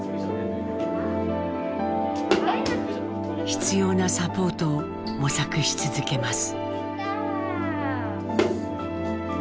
必要なサポートを模索し続けます。